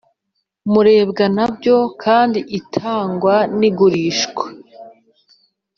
Rurebwa na byo kandi itangwa n igurishwa